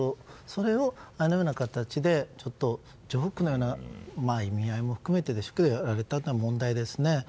それを、あのような形でジョークのような意味合いも含めてでしょうけどおっしゃられたのは問題ですよね。